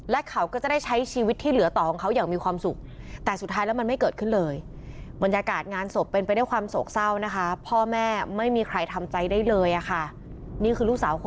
และเขาก็จะได้ใช้ชีวิตที่เหลือต่อของเขาอย่างมีความสุข